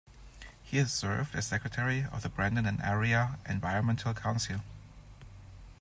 He has served as secretary of the Brandon and Area Environmental Council.